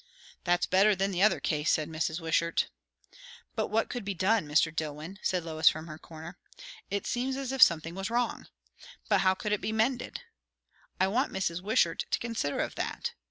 "That's better than the other case," said Mrs. Wishart. "But what could be done, Mr. Dillwyn?" said Lois from her corner. "It seems as if something was wrong. But how could it be mended?" "I want Mrs. Wishart to consider of that."